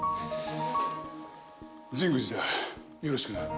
神宮寺だよろしくな。